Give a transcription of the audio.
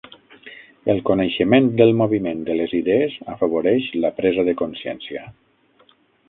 El coneixement del moviment de les idees afavoreix la presa de consciència.